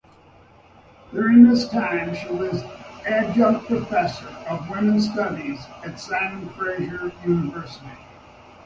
During this time she was adjunct professor of women's studies at Simon Fraser University.